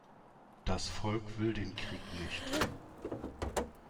Das Volk will den Krieg nicht.